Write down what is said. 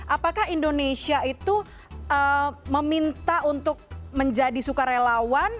apakah indonesia itu meminta untuk menjadi sukarelawan